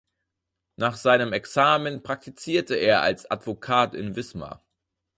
Nach seinem Examen praktizierte er als Advokat in Wismar.